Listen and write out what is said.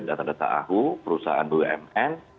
data data ahu perusahaan bumn